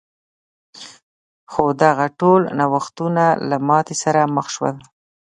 خو دغه ټول نوښتونه له ماتې سره مخ شول.